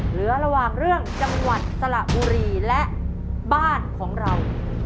เหลือระหว่างเรื่องจังหวัดสระบุรีและบ้านของเรา